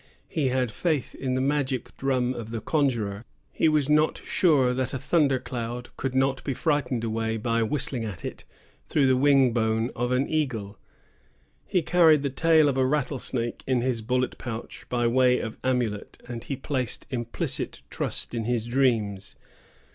He had faith in the magic drum of the conjuror; he was not sure that a thunder cloud could not be frightened away by whistling at it through the wing bone of an eagle; he carried the tail of a rattlesnake in his bullet pouch by way of amulet; and he placed implicit trust in his dreams.